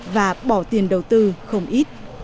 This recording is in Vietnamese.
và bỏ tiền đầu tư không ít